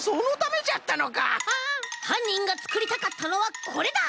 はんにんがつくりたかったのはこれだ！